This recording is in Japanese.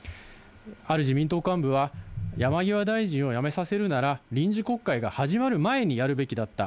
ある自民党幹部は、山際大臣を辞めさせるなら、臨時国会が始まる前にやるべきだった。